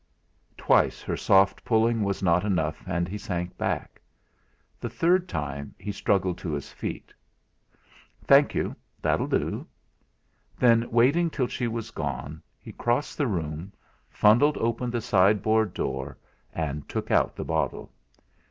Twice her soft pulling was not enough, and he sank back. The third time he struggled to his feet. "Thank you; that'll do." Then, waiting till she was gone, he crossed the room, fumbled open the sideboard door, and took out the bottle.